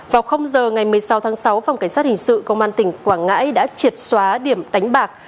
vào giờ ngày một mươi sáu tháng sáu phòng cảnh sát hình sự công an tỉnh quảng ngãi đã triệt xóa điểm đánh bạc